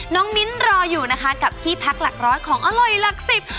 มิ้นรออยู่นะคะกับที่พักหลักร้อยของอร่อยหลักสิบ